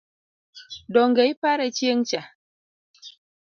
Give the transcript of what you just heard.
Donge ipare chieng’cha?